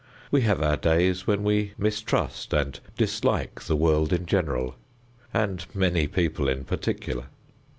We have our days when we mistrust and dislike the world in general and many people in particular.